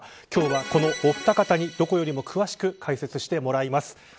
今日はこのお二方に、どこよりも詳しく解説してもらいます。